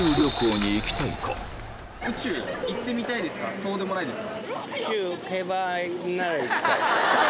そうでもないですか？